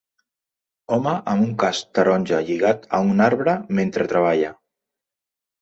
Home amb un casc taronja lligat a un arbre mentre treballa.